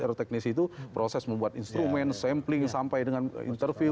secara teknis itu proses membuat instrumen sampling sampai dengan interview